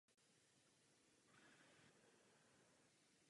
Ten stojí uprostřed bývalého poplužního dvora.